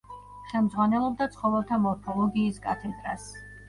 ხელმძღვანელობდა ცხოველთა მორფოლოგიის კათედრას.